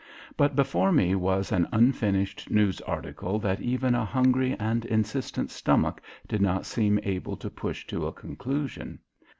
But before me was an unfinished news article that even a hungry and insistent stomach did not seem able to push to a conclusion.